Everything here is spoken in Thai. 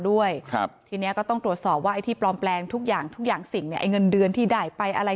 มันก็ไม่ง่ายเหมือนอดีตนะครับ